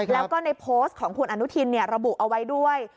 แล้วก็ในโพสต์ของคุณอนุทินระบุเอาไว้ด้วย